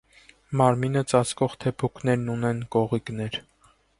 Մարմինը ծածկող թեփուկներն ունեն կողիկներ։